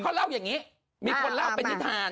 เขาเล่าอย่างนี้มีคนเล่าเป็นนิทาน